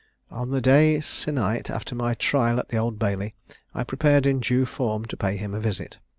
On the day se'nnight after my trial at the Old Bailey, I prepared in due form to pay him a visit.